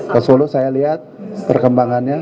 ke solo saya lihat perkembangannya